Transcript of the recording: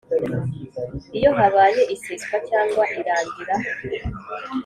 Iyo habaye iseswa cyangwa irangira